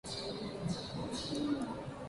நாடும் கடலும் இடையில் கிடப்பது.